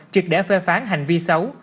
trực để phê phán hành vi xấu